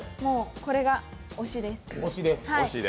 これが推しです。